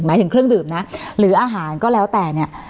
หมายถึงเครื่องดื่มนะหรืออาหารก็แล้วแต่เนี่ย